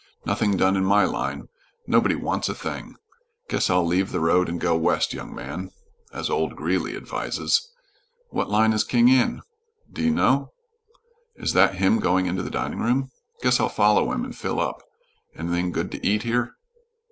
Nothing doing in my line. Nobody wants a thing. Guess I'll leave the road and 'go west, young man,' as old Greeley advises. What line is King in? Do' know? Is that him going into the dining room? Guess I'll follow and fill up. Anything good to eat here?"